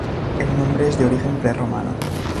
El nombre es de origen prerromano.